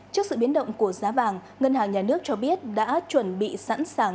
trước sự biến động của giá vàng ngân hàng nhà nước cho biết đã chuẩn bị sẵn sàng